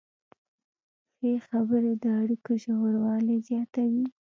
ښې خبرې د اړیکو ژوروالی زیاتوي.